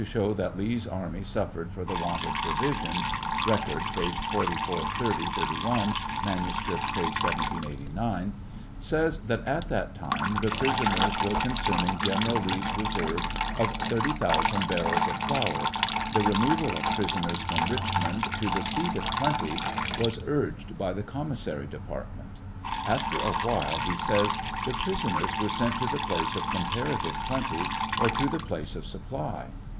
show that Lee's army suffered for the want of provisions, (Record, pp. 4430 '31 ; manuscript, p. 1789,) says that at that time the prisoners were consuming General Lee's reserve of 30,000 barrels of flour ; the removal of prisoners from Richmond to the seat of plenty was urge,d by the commissary department. "After awhile," he says, "the prisoners were sent to the place of comparative plenty, or to the place of supply."